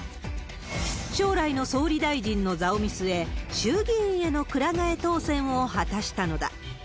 将来の総理大臣の座を見据え、衆議院へのくら替え当選を果たしたのだ。